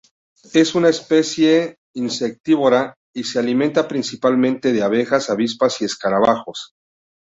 Es una especie insectívora y se alimenta principalmente de abejas, avispas y escarabajos.